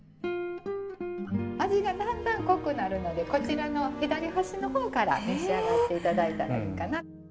味がだんだん濃くなるのでこちらの左端の方から召し上がって頂いたらいいかな。